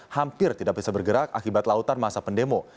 hampir tidak bisa bergerak akibat lautan masa pendemo